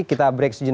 kita break sejenak